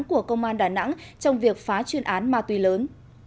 của công an đà nẵng trong việc phá chuyên án ma túy lớn